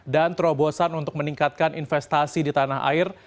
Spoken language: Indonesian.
dan terobosan untuk meningkatkan investasi di tanah air